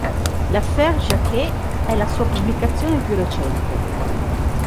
L"'affaire Jacquet" è la sua pubblicazione più recente.